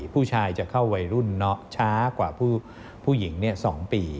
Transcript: ผู้ชายจะเข้าวัยรุ่นช้ากว่าผู้หญิง๒ปี